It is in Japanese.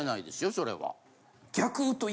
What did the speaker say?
それは。